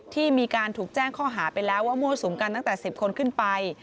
ที่มีการถูกแจ้งข้อหาไปแล้วว่ามั่วสุมกันตั้งแต่๑๐คนขึ้นไป